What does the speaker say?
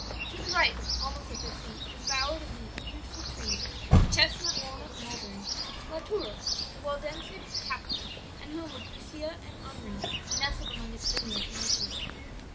To the right, almost at their feet, embowered amid beautiful trees chestnut, walnut, and mulberry La Tour, the Waldensian capital and home of Lucia and Henri, nestled among its vineyards and orchards.